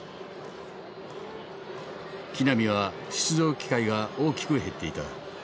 木浪は出場機会が大きく減っていた。